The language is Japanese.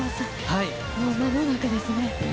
もう間もなくですね。